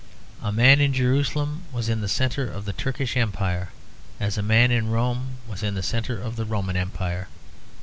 A man in Jerusalem was in the centre of the Turkish Empire as a man in Rome was in the centre of the Roman Empire.